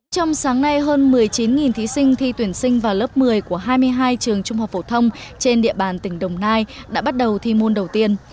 trong sáng nay hơn một mươi chín thí sinh thi tuyển sinh vào lớp một mươi của hai mươi hai trường trung học phổ thông trên địa bàn tỉnh đồng nai đã bắt đầu thi môn đầu tiên